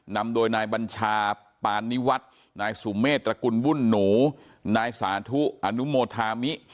นำโดยนายบัญชาปานิวัฒน์นายสุเมษตระกุลวุ่นหนูนายสาธุอนุโมธามิ